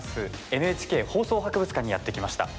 ＮＨＫ放送博物館にやってきました。